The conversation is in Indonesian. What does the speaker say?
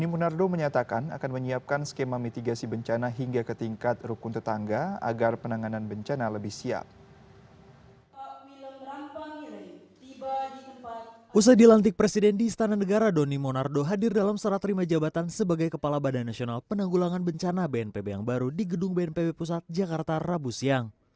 usai dilantik presiden di istana negara doni monardo hadir dalam serah terima jabatan sebagai kepala badan nasional penanggulangan bencana yang baru di gedung bnpb pusat jakarta pada rabu siang